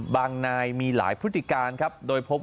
บางนายมีหลายพฤติการครับ